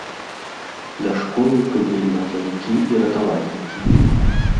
Да школы прыбылі газавікі і ратавальнікі.